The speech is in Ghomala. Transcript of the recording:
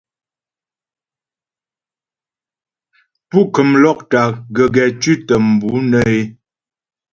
Pú kəm lɔ́kta gəgɛ tʉ̌tə mbʉ̌ nə́ é.